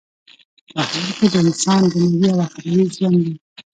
په هغه کی د انسان دینوی او اخروی زیان دی.